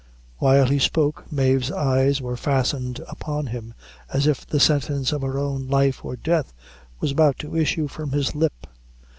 While he spoke, Mave's eyes were fastened upon him, as if the sentence of her own life or death was about to issue from his lip.